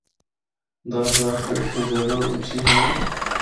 دس ہزار فٹ تو زیادہ اُچی ہے۔